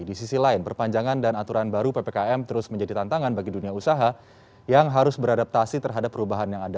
di sisi lain perpanjangan dan aturan baru ppkm terus menjadi tantangan bagi dunia usaha yang harus beradaptasi terhadap perubahan yang ada